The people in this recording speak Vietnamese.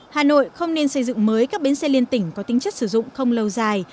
hà nội không nên xây dựng mới các bến xe liên tỉnh có tính chất sử dụng không lâu dài